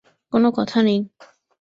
কোনো কথা নেই।